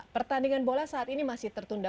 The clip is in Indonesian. pertandingan bola saat ini masih tertunda